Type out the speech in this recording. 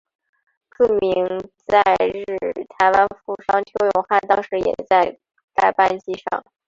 著名在日台湾富商邱永汉当时也在该班机上。